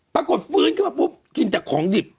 ปรากฏฟื้นขึ้นมาปุ๊บกินจากของดิบ